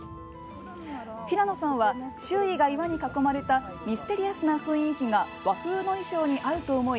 平野さんは、周囲が岩に囲まれたミステリアスな雰囲気が和風の衣装に合うと思い